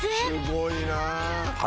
すごいなあ。